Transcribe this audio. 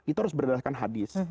itu harus berdasarkan hadis